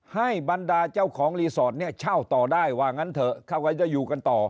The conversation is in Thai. ให้บรรดาเจ้าของรีสอร์ทเนี่ยเช่าต่อได้ว่างั้นเถอะเขาก็จะอยู่กันต่อ